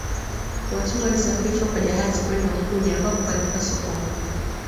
watumwa walisafirishwa kwa jahazi kwenda unguja ambapo palikuwa sokoni